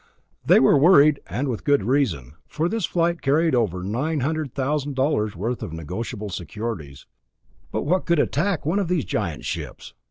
They were worried and with good reason, for this flight carried over 900,000 dollars worth of negotiable securities. But what could attack one of those giant ships?